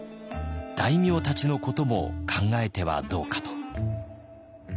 大名たちのことも考えてはどうか」と。